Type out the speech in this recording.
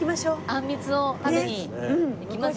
あんみつを食べにいきますか。